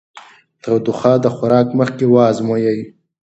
تودوخه د خوراک مخکې وازمویئ.